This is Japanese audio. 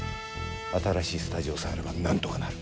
新しいスタジオさえあればなんとかなる。